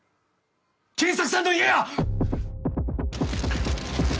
賢作さんの家や！